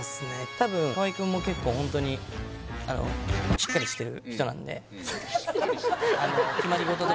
多分河合くんも結構ホントにしっかりしてる人なんで笑ってるよ